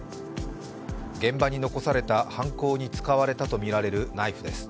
現場に残された犯行に使われたとみられるナイフです。